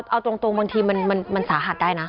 เอาตรงบางทีมันสาหัสได้นะ